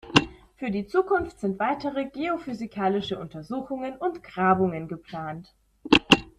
Für die Zukunft sind weitere geophysikalische Untersuchungen und Grabungen geplant.